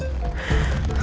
nggak boleh berantem